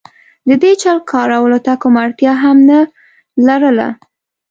د دې چل کارولو ته کومه اړتیا هم نه لرله.